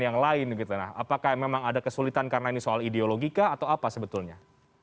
yang lain apakah memang ada kesulitan karena ini soal ideologika atau apa sebetulnya